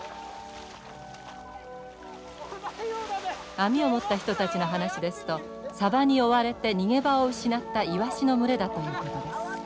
網を持った人たちの話ですとサバに追われて逃げ場を失ったイワシの群れだということです。